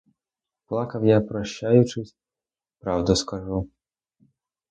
Плакав я, прощаючись, правду скажу.